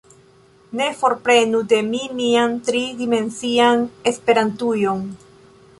Ne forprenu de mi mian tri-dimensian Esperantujon!